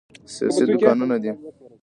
سیاسي دوکانونه دي.